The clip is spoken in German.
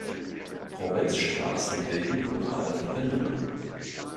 Provinzstraßen bilden lokale Verbindungen.